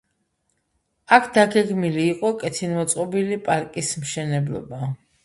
აქ დაგეგმილი იყო კეთილმოწყობილი პარკის მშენებლობა.